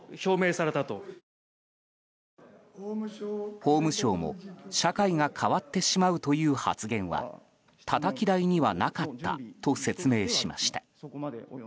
法務省も、社会が変わってしまうという発言はたたき台にはなかったと説明しました。